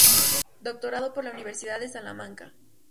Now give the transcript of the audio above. Doctorado por la universidad de Salamanca.